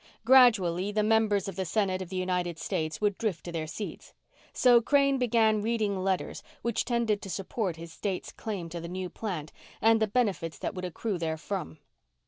Gradually, the members of the Senate of the United States would drift to their seats. So Crane began reading letters which tended to support his state's claim to the new plant and the benefits that would accrue therefrom.